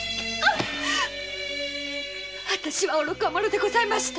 私は愚か者でございました。